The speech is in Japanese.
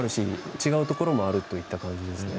違うところもあるといった感じですね。